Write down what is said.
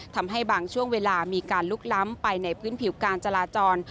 ทำให้บางช่วงเวลามีการลุกล้ำไปในพื้นผิวการจราจร